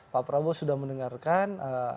pak prabowo sudah mendengarkan